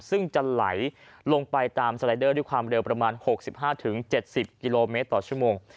ซึ่งจะไหลลงไปตามสไลเดอร์ด้วยความเร็วประมาณ๖๕๗๐กิโลเมตรต่อชั่วโมง